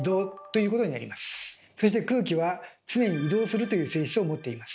そして空気は常に移動するという性質を持っています。